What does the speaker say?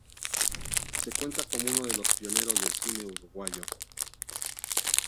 Se cuenta como uno de los pioneros del cine uruguayo.